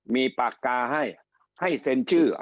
มีปากกาให้ให้เซ็นชื่อ